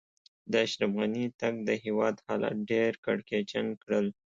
د اشرف غني تګ؛ د هېواد حالات ډېر کړکېچن کړل.